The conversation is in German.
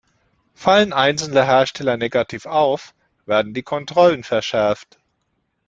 Fallen einzelne Hersteller negativ auf, werden die Kontrollen verschärft.